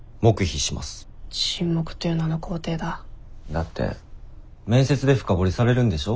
だって面接で深掘りされるんでしょ？